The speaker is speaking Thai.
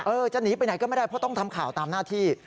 จะหนีไปไหนก็ไม่ได้เพราะต้องทำข่าวตามหน้าที่